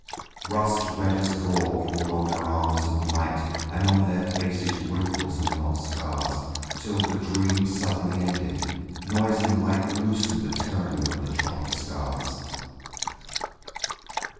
Rust red as gore crawled on their arms of might And on their faces wrinkles and not scars: Till the dream suddenly ended; noise and light Loosened the tyranny of the tropic stars.